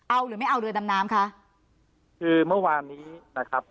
เอาหรือไม่เอาเรือดำน้ำคะคือเมื่อวานนี้นะครับ